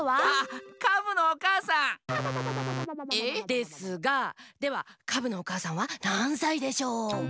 ですがではカブのおかあさんはなんさいでしょう？